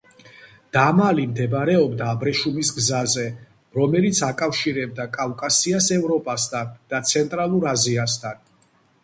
დამალი მდებარეობდა აბრეშუმის გზაზე, რომელიც აკავშირებდა კავკასიას ევროპასთან და ცენტრალურ აზიასთან.